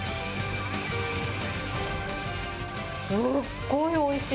すっごいおいしい！